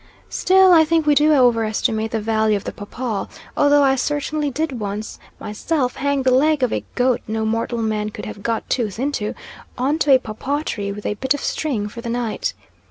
Still I think we do over estimate the value of the papaw, although I certainly did once myself hang the leg of a goat no mortal man could have got tooth into, on to a papaw tree with a bit of string for the night.